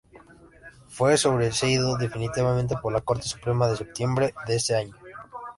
Fue sobreseído definitivamente por la Corte Suprema en septiembre de ese año.